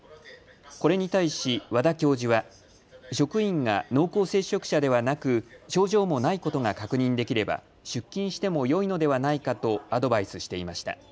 これに対し和田教授は職員が濃厚接触者ではなく症状もないことが確認できれば出勤してもよいのではないかとアドバイスしていました。